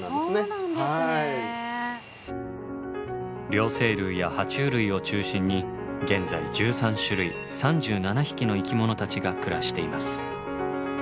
両生類やは虫類を中心に現在１３種類３７匹の生き物たちが暮らしています。